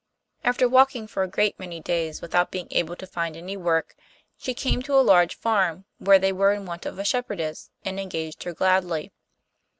After walking for a great many days without being able to find any work, she came to a large farm where they were in want of a shepherdess, and engaged her gladly.